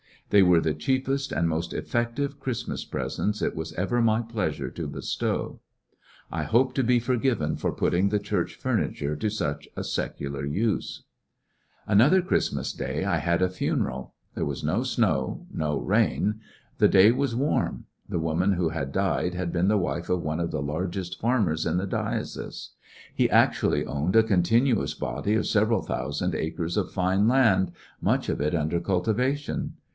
They were the cheapest and most effective Christmas presents it was ever my pleasure to bestow. I hope to be forgiven for putting the church furniture to such a secular use. Another Christmas day I had a funeral. A Christmas r «.,«,, funeral There was no snow, no rain. The day was warm. The woman who died had been the wife of one of the largest farmers in the diocese. He actually owned a continuous body of several thousand acres of fine land, much of it under cultivation.